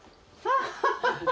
ハハハハ！